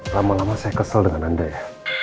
lama lama saya kesel dengan anda ya